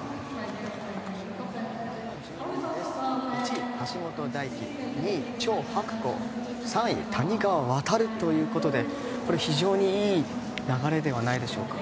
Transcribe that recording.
１位、橋本大輝２位、チョウ・ハクコウ３位に谷川航ということでこれ、非常にいい流れではないでしょうか。